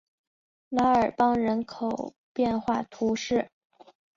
拉尔邦人口变化图示